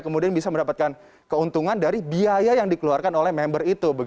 kemudian bisa mendapatkan keuntungan dari biaya yang dikeluarkan oleh member itu